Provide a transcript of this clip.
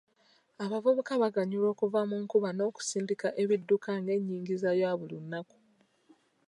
Abavubuka baganyulwa okuva mu nkuba n'okusindika ebidduka ng'enyingiza ya buli lunaku.